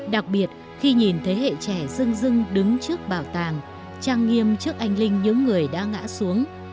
đặc biệt khi nhìn thế hệ trẻ dưng dưng đứng trước bảo tàng trang nghiêm trước anh linh những người đã ngã xuống